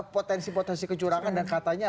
potensi potensi kecurangan dan katanya